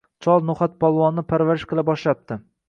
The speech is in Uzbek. chol No’xatpolvonni parvarish qila boshlapti